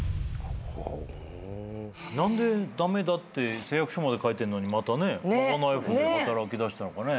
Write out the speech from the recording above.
何で駄目だって誓約書まで書いてんのにまた賄い婦で働きだしたのかね？